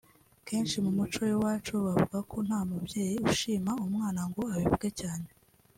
kenshi mu muco w’iwacu bavuga ko nta mubyeyi ushima umwana ngo abivuge cyane